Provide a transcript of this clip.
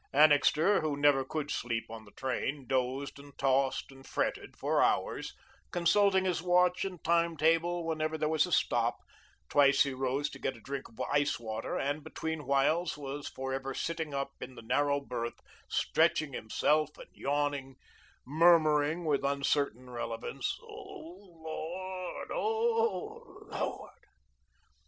Annixter, who never could sleep on the train, dozed and tossed and fretted for hours, consulting his watch and time table whenever there was a stop; twice he rose to get a drink of ice water, and between whiles was forever sitting up in the narrow berth, stretching himself and yawning, murmuring with uncertain relevance: "Oh, Lord! Oh h h LORD!"